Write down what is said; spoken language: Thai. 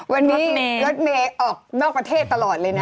วันนี้รถเมย์ออกนอกประเทศตลอดเลยนะ